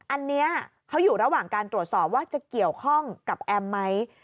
อันนี้เขาอยู่ระหว่างการตรวจสอบว่าจะเกี่ยวข้องกับแอมไหม